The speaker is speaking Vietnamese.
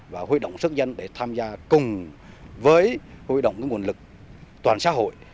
và huy động sức dân để tham gia cùng với huy động cái nguồn lực toàn xã hội